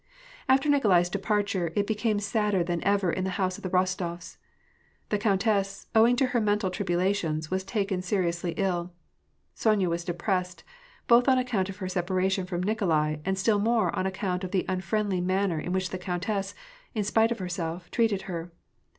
After Nikolai's departure, it became sadder than ever in the house of the Kostofs. The countess, owing to her mental tribulations, was taken seriously ill. Sonya was depressed, both on account of her separation from Nikolai, and still more on account of the unfriendly man ner in which the countess, in spite of herself, treated her.